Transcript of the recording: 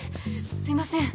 すいません